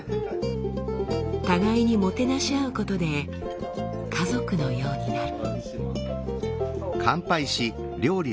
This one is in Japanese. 互いにもてなし合うことで家族のようになる。